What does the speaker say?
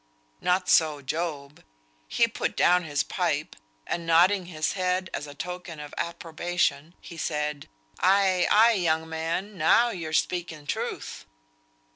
Not so Job. He put down his pipe, and nodding his head as a token of approbation, he said "Ay, ay! young man. Now you're speaking truth."